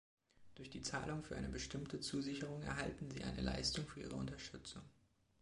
Durch die Zahlung für eine bestimmte Zusicherung erhalten sie eine Leistung für ihre Unterstützung.